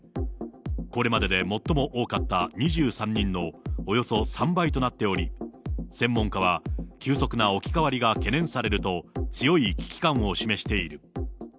これまでで最も多かった２３人のおよそ３倍となっており、専門家は、急速な置き換わりが懸念されると、強い危機感を示している。